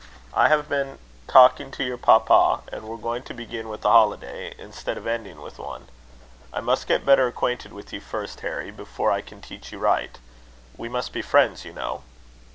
I have been talking to your papa; and we're going to begin with a holiday, instead of ending with one. I must get better acquainted with you first, Harry, before I can teach you right. We must be friends, you know."